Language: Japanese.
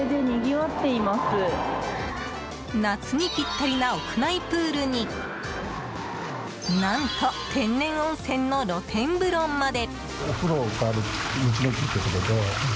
夏にぴったりな屋内プールに何と天然温泉の露天風呂まで。